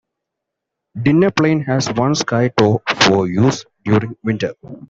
Dinner Plain has one ski tow for use during winter.